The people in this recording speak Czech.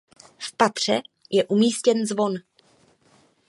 V patře je umístěn zvon.